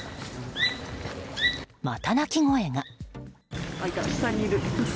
また鳴き声が。